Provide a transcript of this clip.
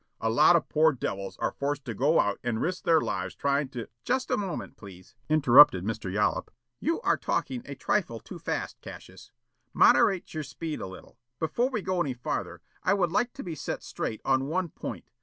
A lot of poor devils are forced to go out and risk their lives tryin' to " "Just a moment, please," interrupted Mr. Yollop. "You are talking a trifle too fast, Cassius. Moderate your speed a little. Before we go any further, I would like to be set straight on one point.